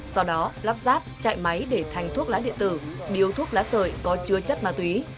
sau đó lắp ráp chạy máy để thành thuốc lá điện tử điếu thuốc lá sợi có chứa chất ma túy